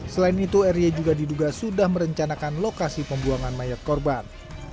selain itu r y juga diduga sudah merencanakan lokasi pembuangan mayat korban